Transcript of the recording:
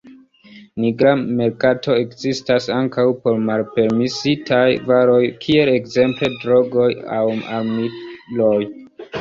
Nigra merkato ekzistas ankaŭ por malpermesitaj varoj kiel ekzemple drogoj aŭ armiloj.